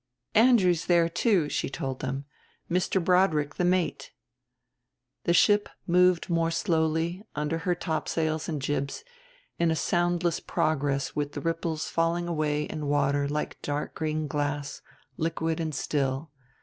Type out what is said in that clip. "Andrew's there, too," she told them, "Mr. Broadrick, the mate." The ship moved more slowly, under her topsails and jibs, in a soundless progress with the ripples falling away in water like dark green glass, liquid and still.